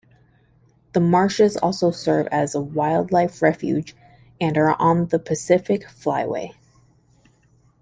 The marshes also serve as a wildlife refuge, and are on the Pacific Flyway.